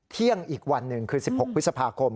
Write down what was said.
เที่ยงอีกวันหนึ่งคือ๑๖พฤษภาคม